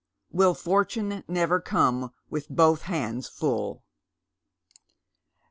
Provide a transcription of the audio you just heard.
"will fortune never c!omic with both hands ruLL."